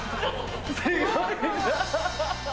すごいな。